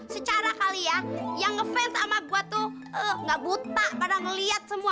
secara kali ya yang ngefans sama gua tuh nggak buta pada ngelihat semua